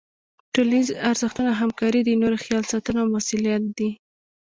ټولنیز ارزښتونه همکاري، د نورو خیال ساتنه او مسؤلیت دي.